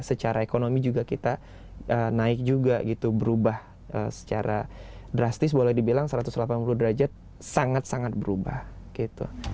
secara ekonomi juga kita naik juga gitu berubah secara drastis boleh dibilang satu ratus delapan puluh derajat sangat sangat berubah gitu